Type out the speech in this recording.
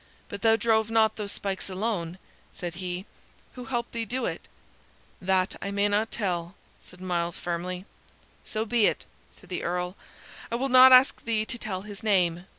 "But thou drove not those spikes alone," said he; "who helped thee do it?" "That I may not tell," said Myles, firmly. "So be it," said the Earl. "I will not ask thee to tell his name.